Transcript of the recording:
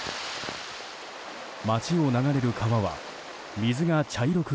街を流れる川は水が茶色く